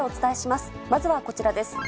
まずはこちらです。